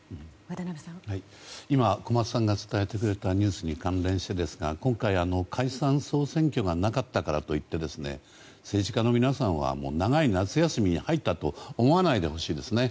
小松さんが伝えてくれたニュースに関連して今回、解散・総選挙がなかったからといって政治家の皆さんは長い夏休みに入ったと思わないでほしいですね。